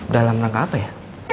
dalam rangka apa ya